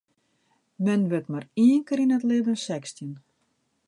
Men wurdt mar ien kear yn it libben sechstjin.